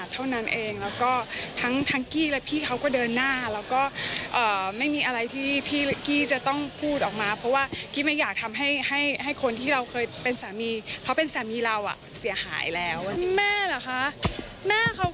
ทำอะไรนอกจากตัวกี้นี่แหละ